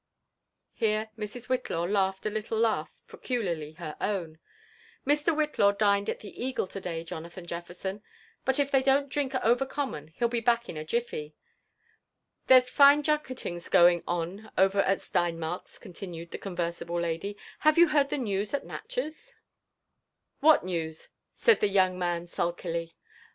Here Mrs. Whitlaw laughed a little laugh peculiarly her own. " Mr. Whitlaw dined at the Eagle to day, Jonathan Jefl'erson ; but if they don't drink over common, he'll be back in a jifl'y. There's One junketings going on over at Steinmark's," continued the conversible lady. '' Have you heard the news at Nat chez?" JONATHAN JEFPBR80N WHiTLAW. Ut What news?" said'lhe young man sulkily.